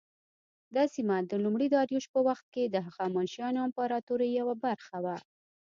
دا سیمه د لومړي داریوش په وخت کې د هخامنشیانو امپراطورۍ یوه برخه وه.